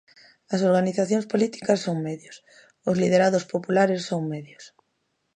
As organizacións políticas son medios; os liderados populares son medios.